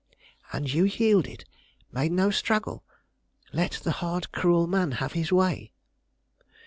"And you yielded? Made no struggle? Let the hard, cruel man have his way?"